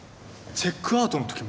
チェックアウトの時も？